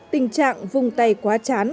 tình trạng vùng tay quá chán